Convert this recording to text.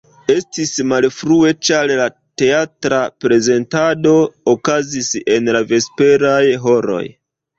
Estis malfrue, ĉar la teatra prezentado okazis en la vesperaj horoj.